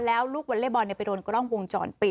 แล้วลูกวอลเล่บอลไปโดนกล้องวงจรปิด